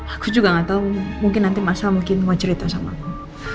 aku juga gak tahu mungkin nanti mas al mau cerita sama aku